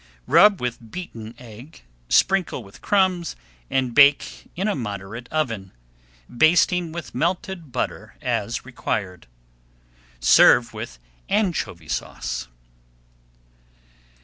Rub with beaten egg, sprinkle with crumbs, and bake in a moderate oven, basting with melted butter as required. Serve with Anchovy Sauce.